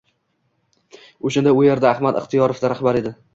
O’shanda u yerda Ahmad Ixtiyorov rahbar edi.